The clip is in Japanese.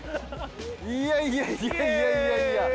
いやいやいやいやいやいや。